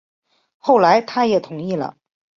后来他也同意了